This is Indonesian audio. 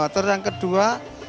terus yang kedua